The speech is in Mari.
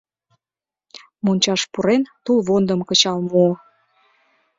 Мончаш пурен, тулвондым кычал муо.